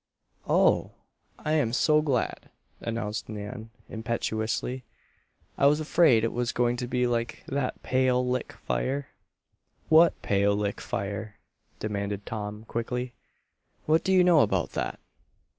"Oh! I am so glad," announced Nan, impetuously. "I was afraid it was going to be like that Pale Lick fire." "What Pale Lick fire?" demanded Tom, quickly. "What do you know about that?"